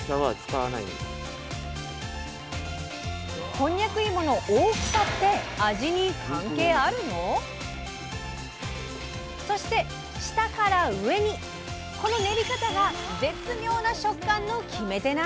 こんにゃく芋の大きさって味に関係あるの⁉そして下から上にこの練り方が絶妙な食感の決め手なんだとか！